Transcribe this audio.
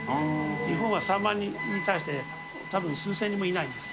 日本は３万人に対して、たぶん数千人もいないです。